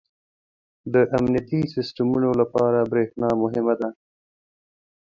• د امنیتي سیسټمونو لپاره برېښنا مهمه ده.